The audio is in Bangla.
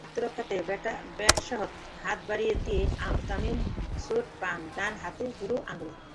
আত্মরক্ষার্থে ব্যাটসহ হাত বাড়িয়ে দিয়ে তামিম চোট পান ডান হাতের বুড়ো আঙুলে।